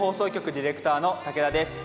ディレクターの武田です。